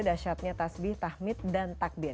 dahsyatnya tasbih tahmid dan takbier